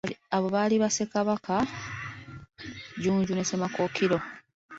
Abo baali ba Ssekabaka Jjunju ne Ssemakookiro.